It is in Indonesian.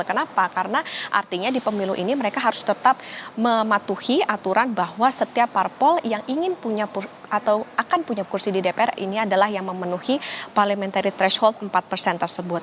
kenapa karena artinya di pemilu ini mereka harus tetap mematuhi aturan bahwa setiap parpol yang akan punya kursi di dpr ini adalah yang memenuhi parliamentary threshold empat persen tersebut